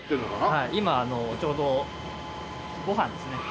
はい今ちょうどご飯ですね。